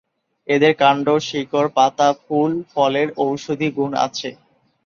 এদের কাণ্ড, শিকড়, পাতা, ফুল, ফলের ঔষধি গুণ আছে।